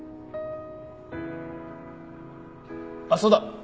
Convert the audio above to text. あっそうだ。